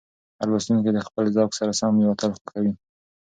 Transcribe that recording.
هر لوستونکی د خپل ذوق سره سم یو اتل خوښوي.